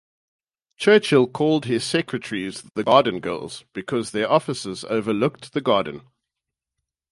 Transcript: Churchill called his secretaries the "garden girls" because their offices overlook the garden.